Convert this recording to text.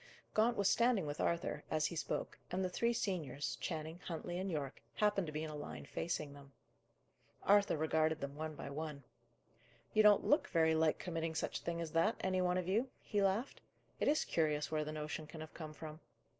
Gaunt was standing with Arthur, as he spoke, and the three seniors, Channing, Huntley, and Yorke, happened to be in a line facing them. Arthur regarded them one by one. "You don't look very like committing such a thing as that, any one of you," he laughed. "It is curious where the notion can have come from."